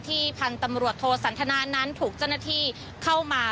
พันธุ์ตำรวจโทสันทนานั้นถูกเจ้าหน้าที่เข้ามา